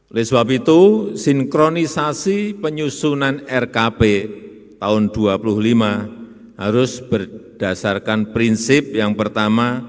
oleh sebab itu sinkronisasi penyusunan rkp tahun dua puluh lima harus berdasarkan prinsip yang pertama